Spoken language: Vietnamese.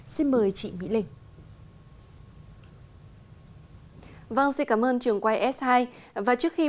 xin mời chị mỹ linh